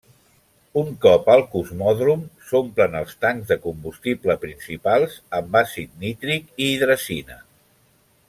Un cop al Cosmòdrom, s'omplen els tancs de combustible principals amb àcid nítric i Hidrazina.